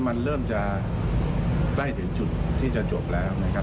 มันเริ่มจะใกล้ถึงจุดที่จะจบแล้วนะครับ